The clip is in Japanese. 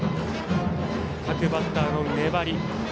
各バッターの粘り。